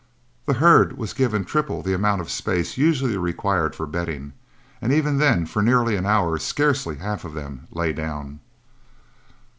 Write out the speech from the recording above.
The herd was given triple the amount of space usually required for bedding, and even then for nearly an hour scarcely half of them lay down.